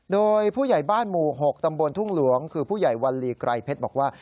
โดยผู้ใหญ่บ้านหมู่๖ตำบลทุ่งหลวงคือผู้ใหญ่วัลลีไกรเพชรบอกว่า